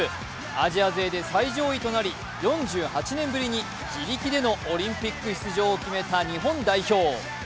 アジア勢で最上位となり４８年ぶりに自力でオリンピック出場を決めた日本代表。